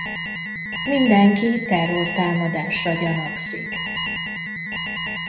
Mindenki terrortámadásra gyanakszik.